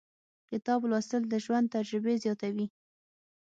• کتاب لوستل، د ژوند تجربې زیاتوي.